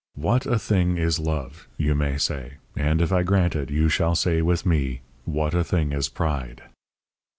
"What a thing is love!" you may say. And if I grant it, you shall say, with me: "What a thing is pride!"